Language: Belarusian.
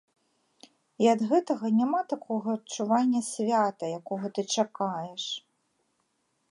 І ад гэтага няма такога адчування свята, якога ты чакаеш.